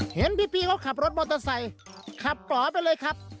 เห็นพี่เขาขับรถมอเตอร์ไซค์ขับกล่อไปเลยครับ